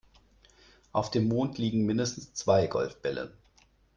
Auf dem Mond liegen mindestens zwei Golfbälle.